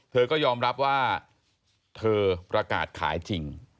เธอก็ยอมรับว่าเธอประกาศขายจริง